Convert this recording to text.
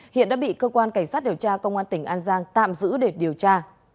hiện đã bị cơ quan cảnh sát điều tra công an tỉnh an giang tạm giữ để điều tra